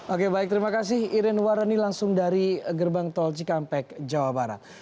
oke baik terima kasih irin warani langsung dari gerbang tol cikampek jawa barat